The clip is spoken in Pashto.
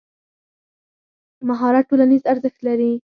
مهارت ټولنیز ارزښت لري.